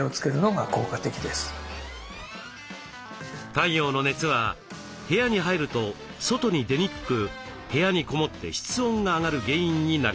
太陽の熱は部屋に入ると外に出にくく部屋にこもって室温が上がる原因になります。